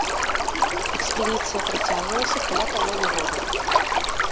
Экспедыцыя працягвалася каля паловы года.